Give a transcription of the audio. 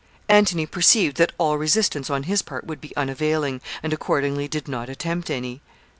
Antony perceived that all resistance on his part would be unavailing, and accordingly did not attempt any.